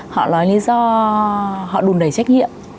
họ nói lý do họ đùn đầy trách nhiệm